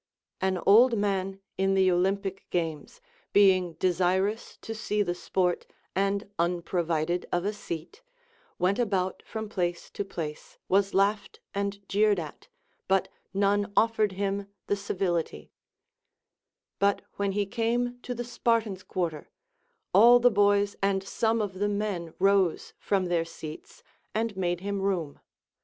An old man in the Olympic games being desirous to see the sport, and unprovided of a seat, went about from place to place, was IcUighed and jeered at, but none offered him the civility : but when he came to the Spartans' quarter, all the boys and some of the men rose from their seats, and made him room.